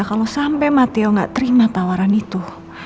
kalau sampai matio gak terima tawaran itu